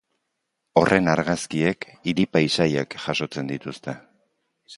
Horren argazkiek hiri-paisaiak jasotzen dituzte.